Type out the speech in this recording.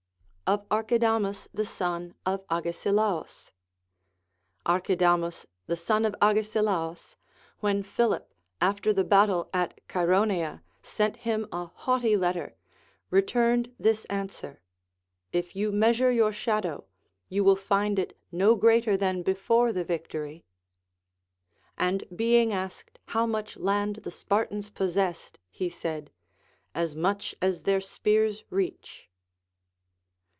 Of Archidamvs the Son of Agesilaus. Archidamus the son of Agesilaus, when Philip after the battle at Chaeronea sent him a haughty letter, returned LACONIC APOPHTHEGMS. 40ϋ this answer. If you measure your shadow, you will find it no greater tiian before the victory. And being asked how much land the Spartans possessed, he said, As much as their spears reach.